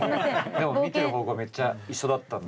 でも見てる方向はめっちゃ一緒だったんで。